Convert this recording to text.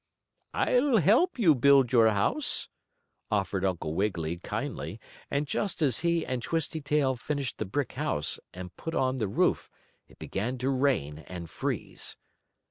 "I'll help you build your house," offered Uncle Wiggily, kindly, and just as he and Twisty Tail finished the brick house and put on the roof it began to rain and freeze.